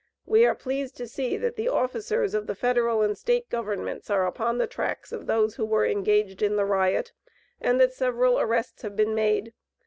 We are pleased to see that the officers of the Federal and State Governments are upon the tracks of those who were engaged in the riot, and that several arrests have been made.